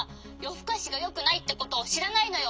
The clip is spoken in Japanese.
ふかしがよくないってことをしらないのよ」。